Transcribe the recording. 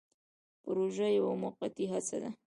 پروژه یوه موقتي هڅه ده